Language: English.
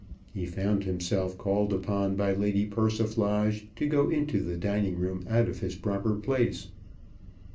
He found himself called upon by Lady Persiflage to go into the dining room out of his proper place.